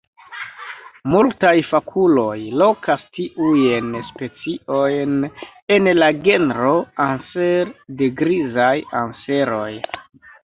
Multaj fakuloj lokas tiujn speciojn en la genro "Anser" de grizaj anseroj.